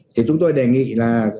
thì chúng tôi đề nghị là